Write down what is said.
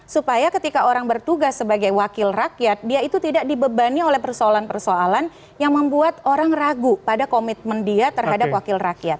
supaya ketika orang bertugas sebagai wakil rakyat dia itu tidak dibebani oleh persoalan persoalan yang membuat orang ragu pada komitmen dia terhadap wakil rakyat